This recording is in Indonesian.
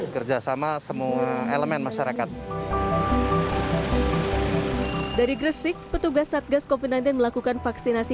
kerjasama semua elemen masyarakat dari gresik petugas satgas koordinaten melakukan vaksinasi